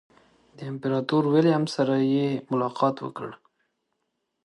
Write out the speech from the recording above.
د امپراطور ویلهلم سره یې ملاقات وکړ.